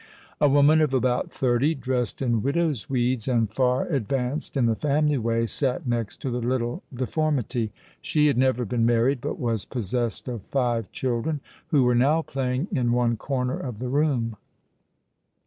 A woman of about thirty, dressed in widow's weeds, and far advanced in the family way, sate next to the little deformity. She had never been married, but was possessed of five children, who were now playing in one corner of the room.